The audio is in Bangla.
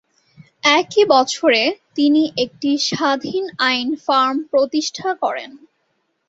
একই বছরে তিনি একটি স্বাধীন আইন ফার্ম প্রতিষ্ঠা করেন।